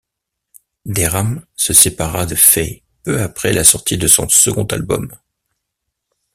Deram se sépara de Fay peu après la sortie de son second album.